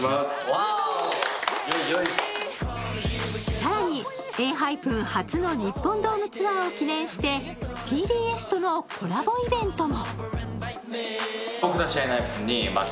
更にＥＮＨＹＰＥＮ初の日本ドームツアーを記念してＴＢＳとのコラボイベントも。